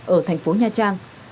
ở thành phố nha trang